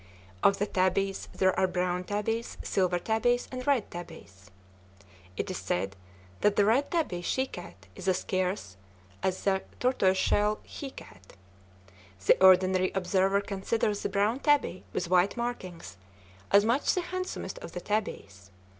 Of the tabbies, there are brown tabbies, silver tabbies, and red tabbies. It is said that the red tabby she cat is as scarce as the tortoise shell he cat. The ordinary observer considers the brown tabby with white markings as much the handsomest of the tabbies.